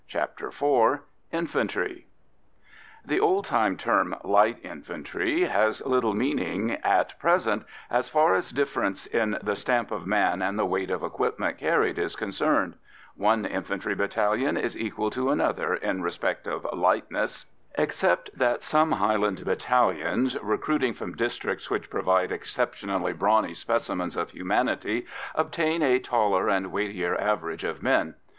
CHAPTER IV INFANTRY The old time term, light infantry, has little meaning at present as far as difference in the stamp of man and the weight of equipment carried is concerned; one infantry battalion is equal to another in respect of "lightness," except that some Highland battalions, recruiting from districts which provide exceptionally brawny specimens of humanity, obtain a taller and weightier average of men.